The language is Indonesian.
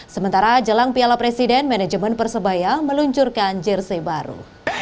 sementara jelang piala presiden manajemen persebaya meluncurkan jersey baru